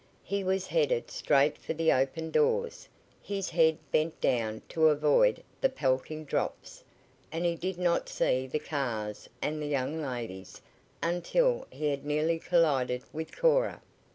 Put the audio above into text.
He was headed straight for the open doors, his head bent down to avoid the pelting drops, and he did not see the cars and the young ladies until he had nearly collided with Cora.